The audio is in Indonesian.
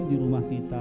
di rumah kita